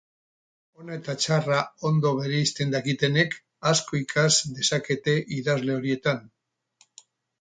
Ona eta txarra ondo bereizten dakitenek asko ikas dezakete idazle horietan.